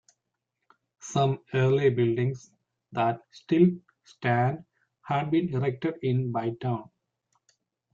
Some early buildings that still stand had been erected in Bytown.